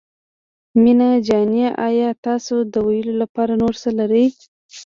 مينه جانې آيا تاسو د ويلو لپاره نور څه لرئ.